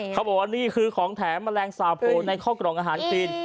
เขาบอกว่านี่คือของแถมแมลงสาโพในข้อกล่องอาหารจีน